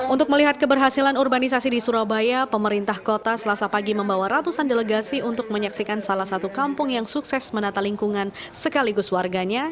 untuk melihat keberhasilan urbanisasi di surabaya pemerintah kota selasa pagi membawa ratusan delegasi untuk menyaksikan salah satu kampung yang sukses menata lingkungan sekaligus warganya